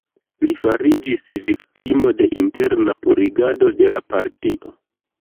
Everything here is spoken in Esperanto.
Li fariĝis viktimo de interna 'purigado' de la partio.